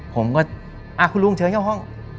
ผมก็คุณลุงเชิญเข้าห้อง